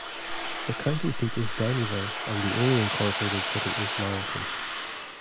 The county seat is Downieville, and the only incorporated city is Loyalton.